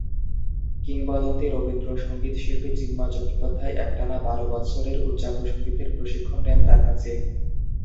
কিংবদন্তি রবীন্দ্র সঙ্গীত শিল্পী চিন্ময় চট্টোপাধ্যায় একটানা বারো বৎসরের উচ্চাঙ্গ সঙ্গীতের প্রশিক্ষণ নেন তার কাছে।